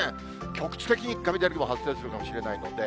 局地的に雷も発生するかもしれないので。